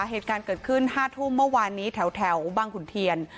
เหตุการณ์เกิดขึ้น๕ทุ่มเมื่อวานนี้แถวบางขุนเทียน